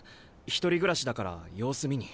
独り暮らしだから様子見に。